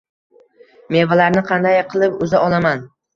Mevalarni qanday qilib uza olaman